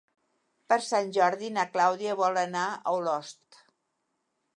Per Sant Jordi na Clàudia vol anar a Olost.